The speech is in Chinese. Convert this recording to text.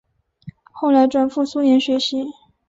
后来转赴苏联学习。